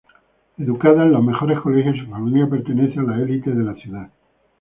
Educada en los mejores colegios, su familia pertenece a la elite de la ciudad.